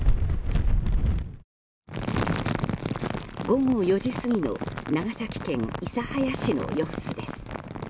午後４時過ぎの長崎県諫早市の様子です。